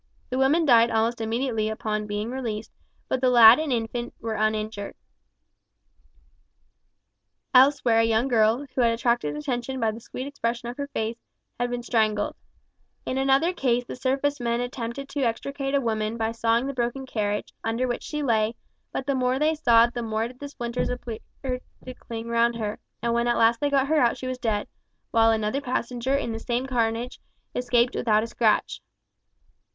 The woman died almost immediately on being released, but the lad and infant were uninjured. Elsewhere a young girl, who had attracted attention by the sweet expression of her face, had been strangled, and her face rendered perfectly black. In another case the surface men attempted to extricate a woman, by sawing the broken carriage, under which she lay, but the more they sawed the more did the splinters appear to cling round her, and when at last they got her out she was dead, while another passenger in the same carnage escaped without a scratch.